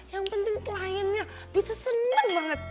yang penting kliennya bisa seneng banget